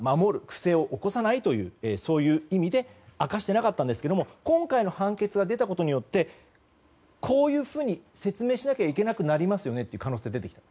不正を起こさないという意味で明かしていなかったんですが今回の判決が出たことでこういうふうに説明しなくてはいけなくなりますよねという可能性が出てきた。